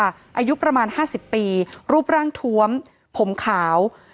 อายุประมาณ๕๐ปีรูปร่างทวมผมขาว